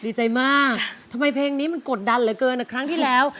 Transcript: ดีใจมากทำไมเพลงนี้มันกดดันเหลือเกินครั้งที่แล้ว